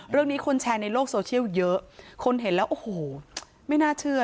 คนแชร์ในโลกโซเชียลเยอะคนเห็นแล้วโอ้โหไม่น่าเชื่อ